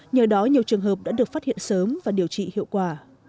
nhờ đó nhiều trường hợp đã được phát hiện sớm và điều trị hiệu quả